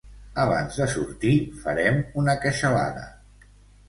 Abans de sortir, farem una queixalada.